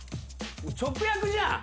直訳じゃん。